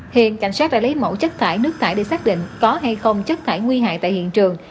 hiện cảnh sát đã lấy mẫu chất thải nước thải để xác định có hay không chất thải nguy hại tại hiện trường